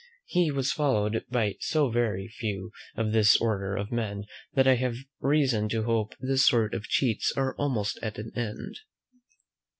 He was followed by so very few of this order of men that I have reason to hope this sort of cheats are almost at an end.